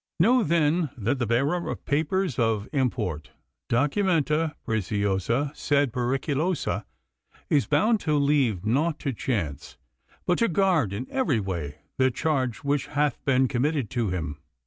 Know, then, that the bearer of papers of import, documenta preciosa sed periculosa, is bound to leave nought to chance, but to guard in every way the charge which hath been committed to him.